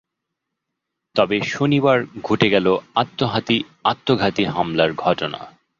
তবে শনিবার ঘটে গেল আত্মঘাতী হামলার ঘটনা।